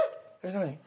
何？